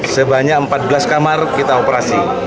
sebanyak empat belas kamar kita operasi